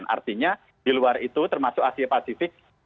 artinya di luar itu termasuk asia tenggara amerika dan eropa timur